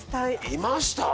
いました？